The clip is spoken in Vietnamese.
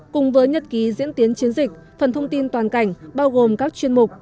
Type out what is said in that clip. cùng với nhật ký diễn tiến chiến dịch phần thông tin toàn cảnh bao gồm các chuyên mục